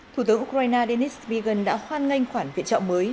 thủ tướng ukraine denis spagan đã hoan nghênh khoản viện trợ mới